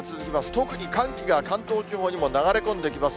特に寒気が関東地方にも流れ込んできます。